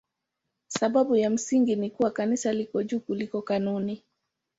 Sababu ya msingi ni kuwa Kanisa liko juu kuliko kanuni.